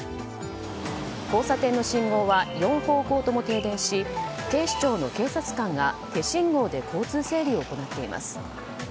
交差点の信号は４方向とも停電し警視庁の警察官が手信号で交通整理を行っています。